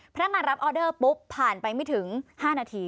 พนักงานรับออเดอร์ปุ๊บผ่านไปไม่ถึง๕นาที